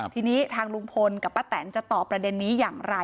ทีนี้ทางลุงพลกับป้าแตนจะตอบประเด็นนี้อย่างไร